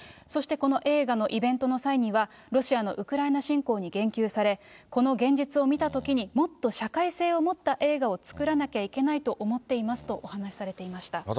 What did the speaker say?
そしてこの映画のイベントの際には、ロシアのウクライナ侵攻に言及され、この現実を見たときに、もっと社会性を持った映画を作らなきゃいけないと思っていますとお話しされていました。